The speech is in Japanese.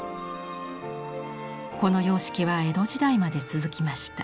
この様式は江戸時代まで続きました。